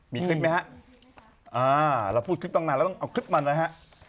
มีคลิปมั้ยฮะเราพูดคลิปตั้งหน่าเราต้องเอาคลิปมาเลยฮะ